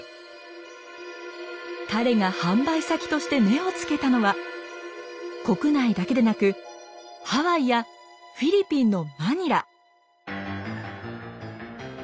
彼が販売先として目をつけたのは国内だけでなくハワイやフィリピンのマニラ。